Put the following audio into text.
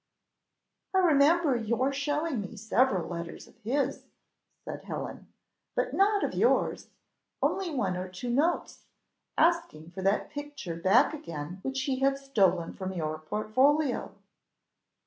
"I remember your showing me several letters of his," said Helen, "but not of yours only one or two notes asking for that picture back again which he had stolen from your portfolio."